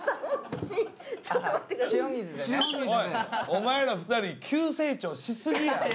お前ら２人急成長しすぎや。